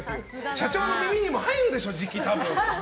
社長の耳にも入るでしょじき多分。